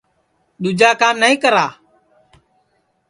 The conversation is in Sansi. دؔوجا کام نائی کرا